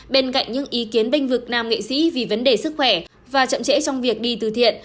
bên cạnh những ý kiến binh vực nam nghệ sĩ vì vấn đề sức khỏe và chậm trễ trong việc đi từ thiện